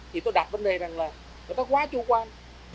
thì tôi đặt vấn đề rằng là người ta quá chủ quan